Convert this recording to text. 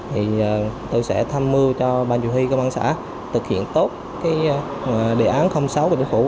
thì tôi sẽ tham mưu cho ban chủ huy công an xã thực hiện tốt cái đề án sáu của chính phủ